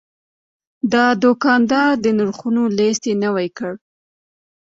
دا دوکاندار د نرخونو لیست نوي کړ.